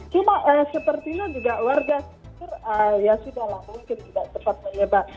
cuma sepertinya juga warga ya sudah lah mungkin tidak tepat menyebar